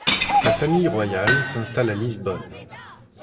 La famille royale s'installe à Lisbonne.